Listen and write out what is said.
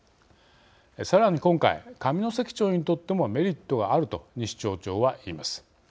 さらに今回上関町にとってもメリットがあると西町長は言います。